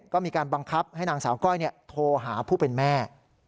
ก็มีการบังคับให้นางสาวก้อยโทรหาผู้เป็นแม่